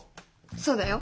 そうだよ。